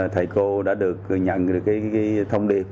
thầy cô đã được nhận được cái thông điệp